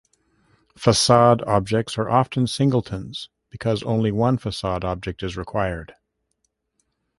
Facade objects are often Singletons because only one Facade object is required.